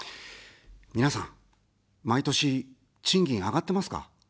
皆さん、毎年、賃金上がってますか。